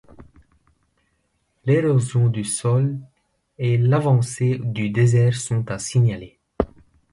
L’érosion du sol et l’avancée du désert sont à signaler.